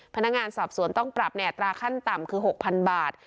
พนักงานสอบสวนต้องปรับในอัตราขั้นต่ำคือ๖๐๐๐บาท